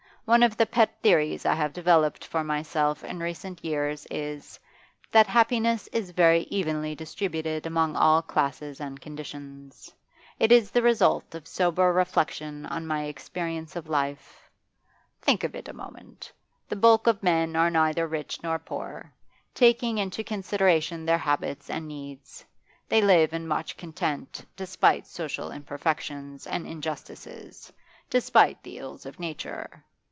One of the pet theories I have developed for myself in recent years is, that happiness is very evenly distributed among all classes and conditions. It is the result of sober reflection on my experience of life. Think of it a moment. The bulk of men are neither rich nor poor, taking into consideration their habits and needs; they live in much content, despite social imperfections and injustices, despite the ills of nature.